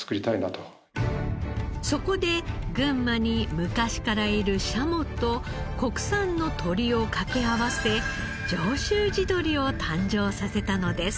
そこで群馬に昔からいるシャモと国産の鶏を掛け合わせ上州地鶏を誕生させたのです。